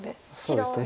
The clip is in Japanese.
そうですね